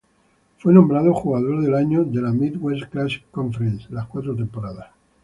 Fue nombrado "jugador del año de la Midwest Classic Conference" las cuatro temporadas.